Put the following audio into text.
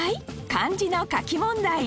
漢字の書き問題